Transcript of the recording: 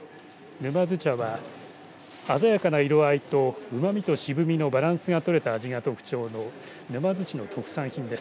沼津茶は鮮やかな色合いとうまみと渋みのバランスがとれた味が特徴の沼津市の特産品です。